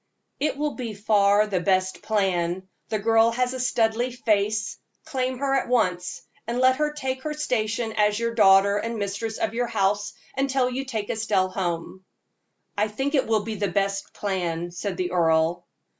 "It will be far the best plan. The girl has a Studleigh face; claim her at once, and let her take her station as your daughter and mistress of your house until you take Estelle home." "I think it will be the best plan," said the earl.